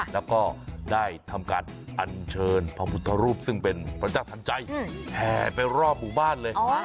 แล้วก็ได้ทำการอันเชิญพระพุทธรูปซึ่งเป็นพระเจ้าทันใจแห่ไปรอบหมู่บ้านเลย